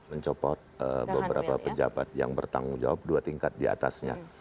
mencopot beberapa pejabat yang bertanggung jawab dua tingkat diatasnya